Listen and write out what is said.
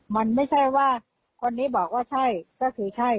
มันไม่ใช่ว่าคนนี้บอกว่าใช่ก็คือใช่